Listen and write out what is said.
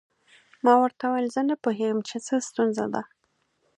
ما ورته وویل زه نه پوهیږم چې څه ستونزه ده.